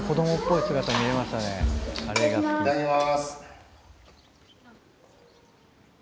いただきます。